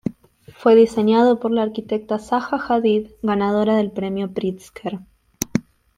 Fue diseñado por la arquitecta Zaha Hadid, ganadora del Premio Pritzker.